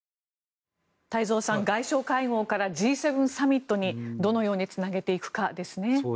太蔵さん外相会合からＧ７サミットにどのようにつなげていくかですね。